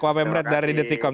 mba pemret dari dtkom